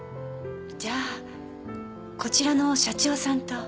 じゃあこちらの社長さんと？